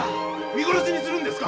見殺しにするんですか？